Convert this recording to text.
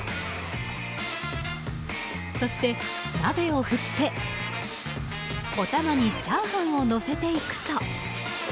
そして、鍋を振ってお玉にチャーハンをのせていくと。